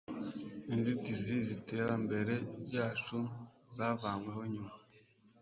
Inzitizi ziterambere ryacu zavanyweho nyuma.